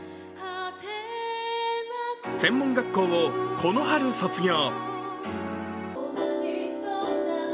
専門学校をこの春、卒業。